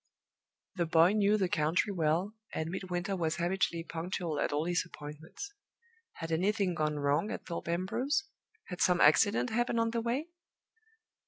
The boy knew the country well, and Midwinter was habitually punctual at all his appointments. Had anything gone wrong at Thorpe Ambrose? Had some accident happened on the way?